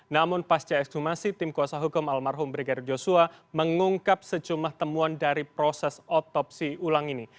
namun pasca ekshumasi tim kuasa hukum almarhum brigadir joshua mengungkap secumlah temuan dari proses otopsi ulang ini